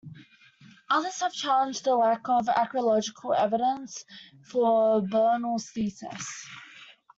Others have challenged the lack of archaeological evidence for Bernal's thesis.